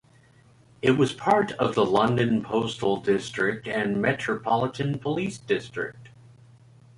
It was part of the London postal district and Metropolitan Police District.